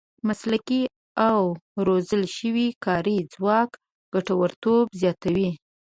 مسلکي او روزل شوی کاري ځواک ګټورتوب زیاتوي.